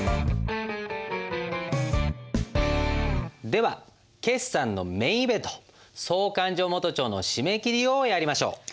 では決算のメインイベント総勘定元帳の締め切りをやりましょう。